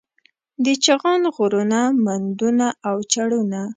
د چغان غرونه، مندونه او چړونه